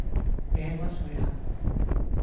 你係乜水啊